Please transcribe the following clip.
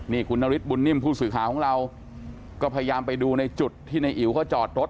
นี่คุณนฤทธบุญนิ่มผู้สื่อข่าวของเราก็พยายามไปดูในจุดที่ในอิ๋วเขาจอดรถ